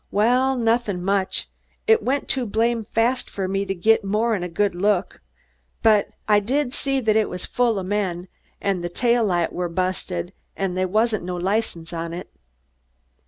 "Waal, nothin' much. It went too blamed fast fer me to git mor'n a right good look, but I did gee that it was full o' men an' the tail light was bu'sted an' they wa'n't no license on it."